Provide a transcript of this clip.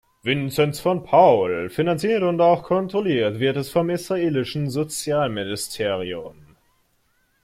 Vinzenz von Paul; finanziert und auch kontrolliert wird es vom israelischen Sozialministerium.